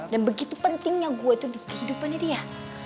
dan begitu pentingnya gue itu di kehidupannya dia